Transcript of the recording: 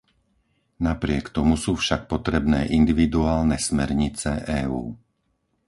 Napriek tomu sú však potrebné individuálne smernice EÚ.